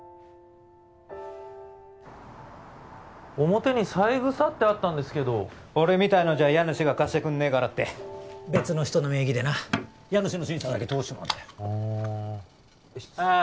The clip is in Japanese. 表に三枝ってあったんですけど俺みたいのじゃ家主が貸してくんねえからって別の人の名義でな家主の審査だけ通しちまうんだよあああっ